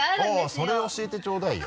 それを教えてちょうだいよ